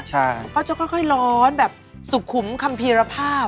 ใช่เขาจะค่อยร้อนแบบสุขุมคัมภีรภาพ